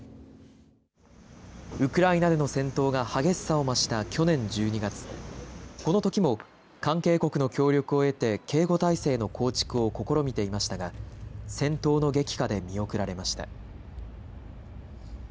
ウクライナでの戦闘が激しさを増した去年１２月、このときも関係国の協力を得て警護態勢の構築を試みていましたが、戦闘の激化で見送られました。